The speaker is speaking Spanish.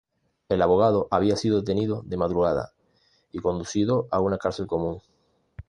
El abogado había sido detenido de madrugada y conducido a una cárcel común.